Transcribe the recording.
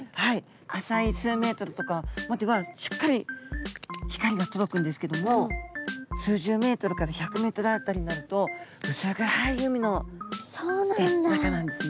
浅い数ｍとかまではしっかり光が届くんですけども数十ｍから１００ｍ辺りになると薄暗い海の中なんですね。